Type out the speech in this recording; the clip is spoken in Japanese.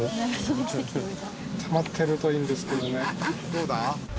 「どうだ？」